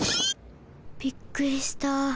びっくりした。